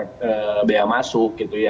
tidak bayar pasok